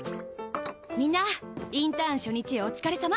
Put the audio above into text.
みんなインターン初日お疲れ様。